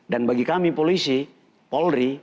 dan bagi kami polisi polri